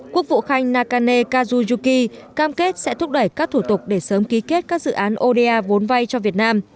quốc vụ khanh nakane kazuki cam kết sẽ thúc đẩy các thủ tục để sớm ký kết các dự án oda vốn vay cho việt nam